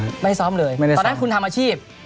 ไม่ได้ซ้อมเลยตอนนั้นคุณทำอาชีพ